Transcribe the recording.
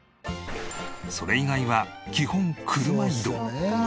それ以外は基本車移動。